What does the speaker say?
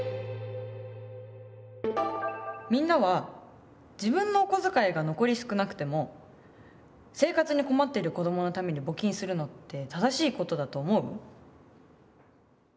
みんなは自分のお小遣いが残り少なくても生活に困ってる子どものために募金するのって「正しい」ことだと思う？